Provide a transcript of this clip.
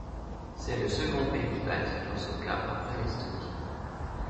C'est le second pays balte dans ce cas après l'Estonie.